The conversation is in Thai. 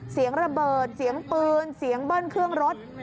เสียงระเบิดเสียงปืนเสียงเบิ้ลเครื่องรถ